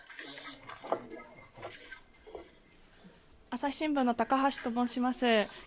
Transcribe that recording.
朝日新聞のたかはしと申します。